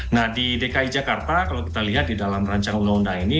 nah di dki jakarta kalau kita lihat di dalam rancangan undang undang ini